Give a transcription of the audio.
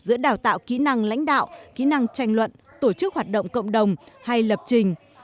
giữa đào tạo kỹ năng lãnh đạo kỹ năng tranh luận tổ chức hoạt động cộng đồng hay lập trình